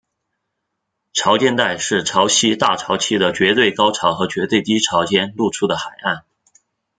潮间带是在潮汐大潮期的绝对高潮和绝对低潮间露出的海岸。